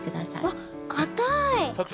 わっかたい。